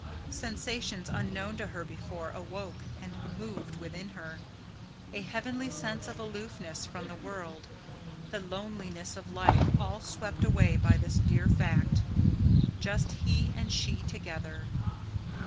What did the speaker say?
Sensations unknown to her before, awoke and moved within her, a heavenly sense of aloofness from the world, the loneliness of life all swept away by this dear fact just he and she together.